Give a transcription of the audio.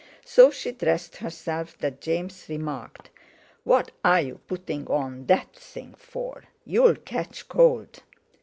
She so dressed herself that James remarked: "What are you putting on that thing for? You'll catch cold."